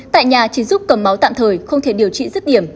tại nhà chỉ giúp cầm máu tạm thời không thể điều trị rứt điểm